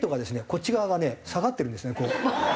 こっち側がね下がってるんですねこう。